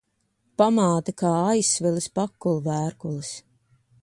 Pamāte kā aizsvilis pakulu vērkulis.